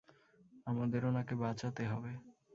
আমাদের ওনাকে বাঁচাতে হবে।